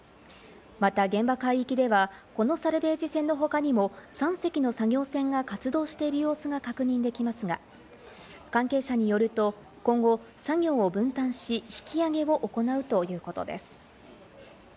また現場海域ではこのサルベージ船のほかにも３隻の作業船が活動している様子が確認できますが、関係者によると、今後、作業を分担し、引き揚げを行うということです。